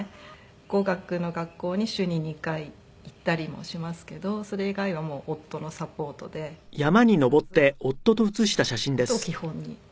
語学の学校に週に２回行ったりもしますけどそれ以外は夫のサポートで生活っていう事を基本に。